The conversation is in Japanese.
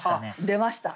出ました。